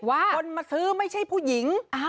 คนมาซื้อไม่ใช่ผู้หญิง